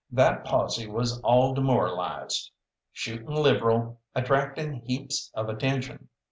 That posse was all demoralised, shooting liberal, attracting heaps of attention.